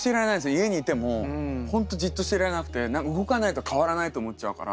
家にいても本当じっとしていられなくて何か動かないと変わらないと思っちゃうから。